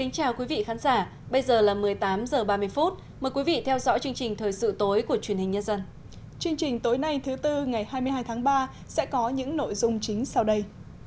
chương trình tối nay thứ tư ngày hai mươi hai tháng ba sẽ có những nội dung chính sau đây